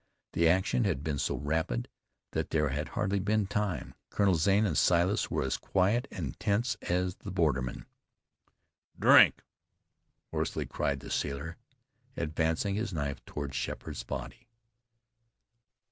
The action had been so rapid that there had hardly been time. Colonel Zane and Silas were as quiet and tense as the borderman. "Drink!" hoarsely cried the sailor, advancing his knife toward Sheppard's body.